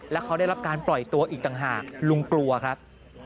แล้วเขาได้รับการปล่อยตัวอีกต่างหากลุงกลัวครับ